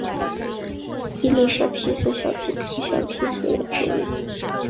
伊犁小檗是小檗科小檗属的植物。